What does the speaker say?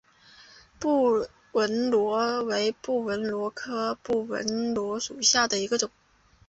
布纹螺为布纹螺科布纹螺属下的一个种。